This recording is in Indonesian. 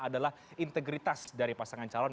adalah integritas dari pasangan calon